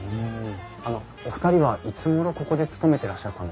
あのお二人はいつごろここで勤めてらっしゃったんですか？